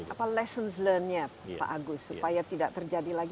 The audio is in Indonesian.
ini adalah lesson learned nya pak agus supaya tidak terjadi lagi